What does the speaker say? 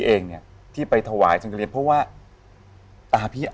คุณซูซี่คุณซูซี่คุณซูซี่